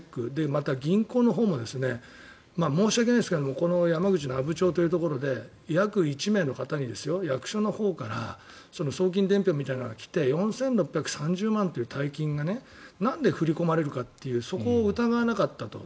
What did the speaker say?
また銀行のほうも申し訳ないですけど山口の阿武町というところで約１名の方に役所のほうから送金伝票みたいなのが来て４６３０万円という大金がなんで振り込まれるかというそこを疑わなかったと。